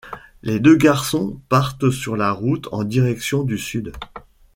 Les deux garçons partent sur la route en direction du Sud.